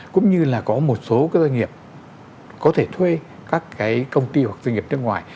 cũng như là có một số doanh nghiệp có thể thuê các cái công ty hoặc doanh nghiệp nước ngoài